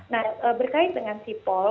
nah berkait dengan sipol